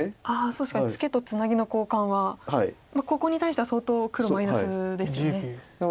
確かにツケとツナギの交換はここに対しては相当黒マイナスですよね。